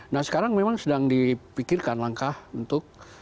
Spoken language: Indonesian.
nah sekarang memang sedang dipikirkan langkah untuk